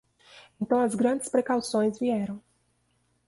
Então as grandes precauções vieram.